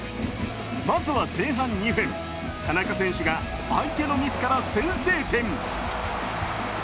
まずは前半２分、田中選手が相手のミスから先制点。